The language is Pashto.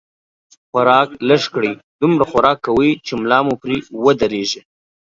خوراک لږ کړئ، دومره خوراک کوئ، چې ملا مو پرې ودرېږي